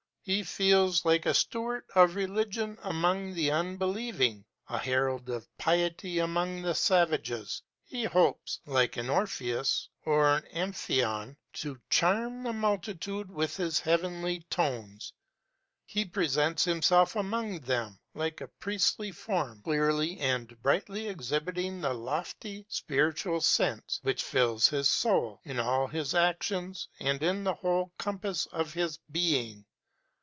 He feels like a steward of religion among the unbelieving, a herald of piety among the savages; he hopes, like an Orpheus or an Amphion, to charm the multitude with his heavenly tones; he presents himself among them, like a priestly form, clearly and brightly exhibiting the lofty, spiritual sense which fills his soul, in all his actions and in the whole compass of his Being.